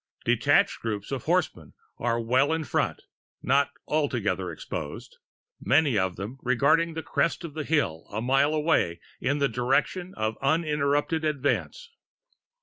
Detached groups of horsemen are well in front not altogether exposed many of them intently regarding the crest of a hill a mile away in the direction of the interrupted advance.